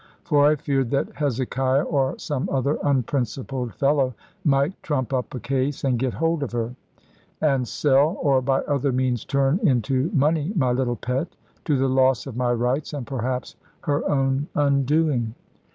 For I feared that Hezekiah, or some other unprincipled fellow, might trump up a case, and get hold of her, and sell, or by other means turn into money my little pet, to the loss of my rights, and perhaps her own undoing.